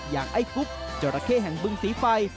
อย่างไอ้กุ๊บเจ้าระเข้แห่งบึงสีไฟ